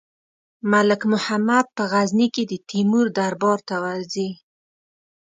ملک محمد په غزني کې د تیمور دربار ته ورځي.